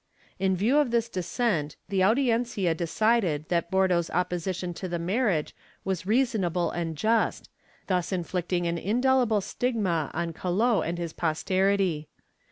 In view of this descent the Audiencia decided that Bordo's opposition to the marriage was reasonable and just, thus inflicting an indelible stigma on Calot and his posterity.